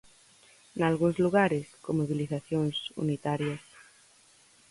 Nalgúns lugares, con mobilizacións unitarias.